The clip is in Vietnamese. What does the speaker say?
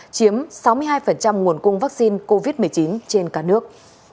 chiếm sáu mươi hai nguồn cung vaccine covid một mươi chín trên cả nước